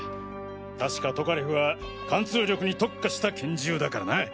たしかトカレフは貫通力に特化した拳銃だからな。